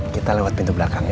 kita lewat pintu belakang